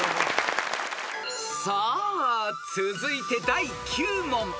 ［さあ続いて第９問］